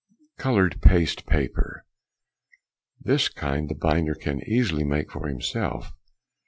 Coloured Paste Paper.—This kind the binder can easily make for himself.